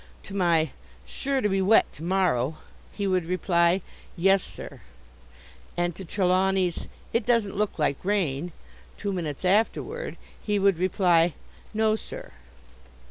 To my "Sure to be wet to morrow," he would reply, "Yes, sir;" and to Trelawney's "It doesn't look like rain," two minutes afterward, he would reply, "No, sir."